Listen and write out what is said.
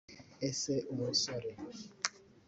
Ese musore